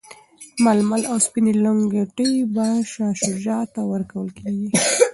ململ او سپیني لنګوټې به شاه شجاع ته ورکول کیږي.